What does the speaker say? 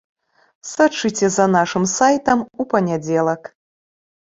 Сачыце за нашым сайтам у панядзелак.